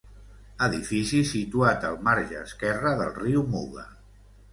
Edifici situat al marge esquerre del riu Muga.